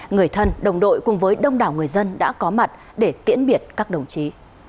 người thân đồng đội cùng với đông đảo người dân đã có mặt để tiễn biệt các đồng chí